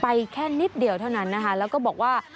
แค่นิดเดียวเท่านั้นนะคะแล้วก็บอกว่า